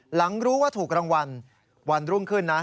หลังรู้ว่าถูกรางวัลวันรุ่งขึ้นนั้น